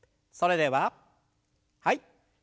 それでははい。